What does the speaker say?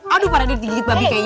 aduh parahnya digigit babi kayaknya